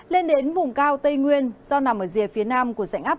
lên đến vùng cao tây nguyên do nằm ở dìa phía nam của dạnh áp